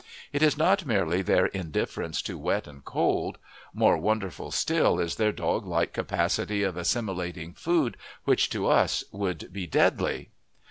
It is not merely their indifference to wet and cold; more wonderful still is their dog like capacity of assimilating food which to us would be deadly.